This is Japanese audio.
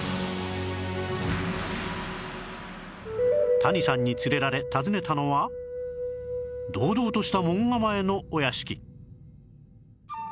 谷さんに連れられ訪ねたのは堂々とした門構えのお屋敷